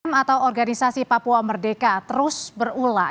pembangunan opm atau organisasi papua merdeka terus berulah